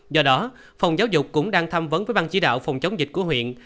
do đó phòng giáo dục cũng đang tham vấn với bang chỉ đạo phòng chống dịch của huyện